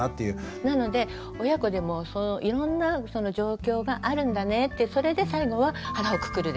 なので親子でもいろんな状況があるんだねってそれで最後は腹をくくるですよ。